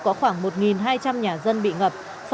có khoảng một hai trăm linh nhà dân bị ngập